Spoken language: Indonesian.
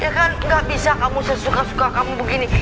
ya kan nggak bisa kamu sesuka suka kamu begini